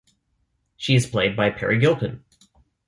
She is played by Peri Gilpin.